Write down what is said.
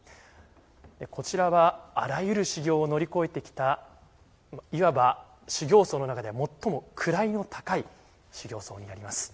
こちらはあらゆる修行の乗り越えてきたいわば、修行僧の中で最も位の高い修行僧になります。